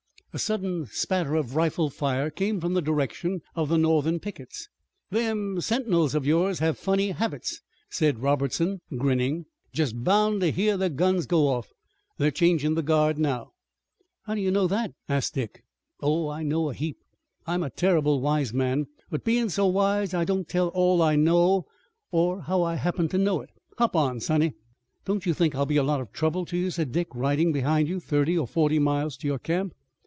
A sudden spatter of rifle fire came from the direction of the Northern pickets. "Them sentinels of yours have funny habits," said Robertson grinning. "Just bound to hear their guns go off. They're changin' the guard now." "How do you know that?" asked Dick. "Oh, I know a heap. I'm a terrible wise man, but bein' so wise I don't tell all I know or how I happen to know it. Hop up, sonny." "Don't you think I'll be a lot of trouble to you," said Dick, "riding behind you thirty or forty miles to your camp?"